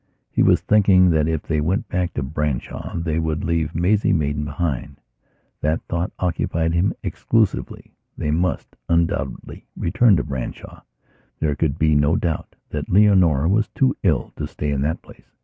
He was thinking that if they went back to Branshaw they would leave Maisie Maidan behind. That thought occupied him exclusively. They must, undoubtedly, return to Branshaw; there could be no doubt that Leonora was too ill to stay in that place.